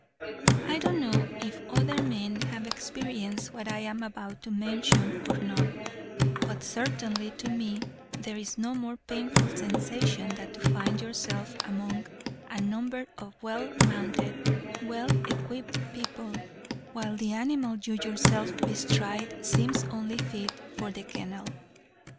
"I don't know if other men have experienced what I am about to mention or not; but certainly to me there is no more painful sensation than to find yourself among a number of well mounted, well equipped people, while the animal you yourself bestride seems only fit for the kennel.